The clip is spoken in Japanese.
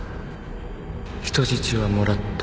人質はもらった